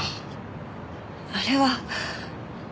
あれは。